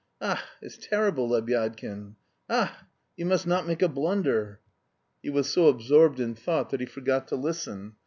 Ach, it's terrible, Lebyadkin! Ach, you must not make a blunder!" He was so absorbed in thought that he forgot to listen.